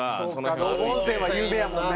道後温泉は有名やもんね。